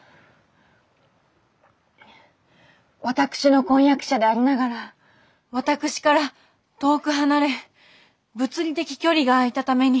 私の婚約者でありながら私から遠く離れ物理的距離があいたために。